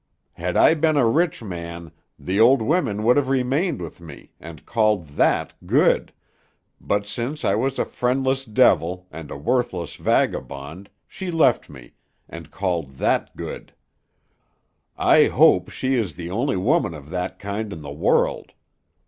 Had I been a rich man, the old women would have remained with me, and called that good, but since I was a friendless devil, and a worthless vagabond, she left me, and called that good; I hope she is the only woman of that kind in the world.